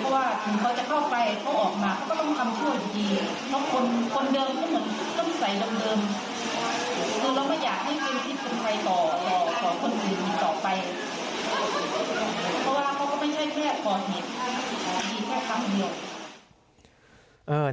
เพราะว่าเขาก็ไม่ใช่แค่พอผิดมีแค่ครั้งเดียว